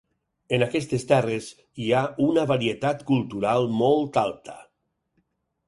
En aquestes terres hi ha una varietat cultural molt alta.